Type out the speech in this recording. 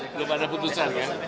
belum ada putusan ya